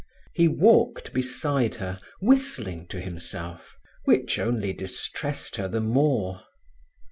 He walked beside her whistling to himself, which only distressed her the more.